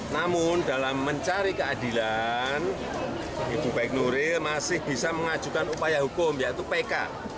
namun dalam mencari keadilan ibu baik nuril masih bisa mengajukan upaya hukum yaitu pk